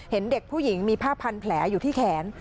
เห็นเด็กผู้หญิงมีผ้าพันแผลอยู่ที่แขน